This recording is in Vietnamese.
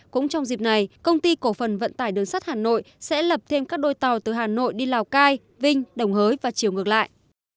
cũng trong dịp này công ty cổ phần vận tải đường sắt hà nội sẽ lập thêm các đôi tàu từ hà nội đi lào cai vinh đồng hới và chiều ngược lại